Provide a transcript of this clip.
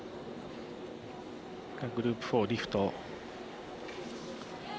グループ４リフト。